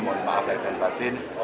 mohon maaf saya terhampatin